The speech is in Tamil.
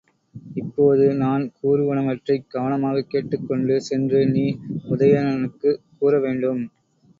இப்போது நான் கூறுவனவற்றைக் கவனமாகக் கேட்டுக் கொண்டு சென்று நீ உதயணனுக்குக் கூற வேண்டும்.